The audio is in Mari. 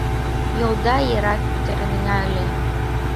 Йолда йырат пӱтырнена ыле.